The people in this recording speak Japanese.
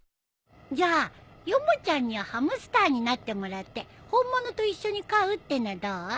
じゃあヨモちゃんにはハムスターになってもらって本物と一緒に飼うってのはどう？